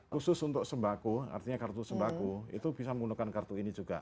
khusus untuk sembako artinya kartu sembako itu bisa menggunakan kartu ini juga